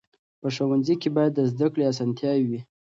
په ښوونځي کې باید د زده کړې اسانتیاوې وي.